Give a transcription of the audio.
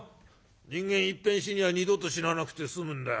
人間いっぺん死にゃ二度と死ななくて済むんだよ。